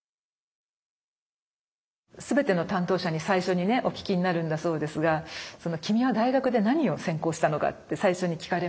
全ての担当者に最初にねお聞きになるんだそうですが「君は大学で何を専攻したのか」って最初に聞かれまして。